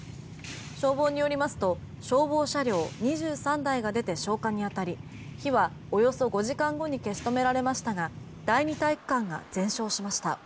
消防によりますと消防車両２３台が出て消火に当たり火はおよそ５時間後に消し止められましたが第２体育館が全焼しました。